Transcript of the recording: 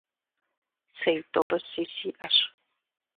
Цей тӀорыси сиӀэщ…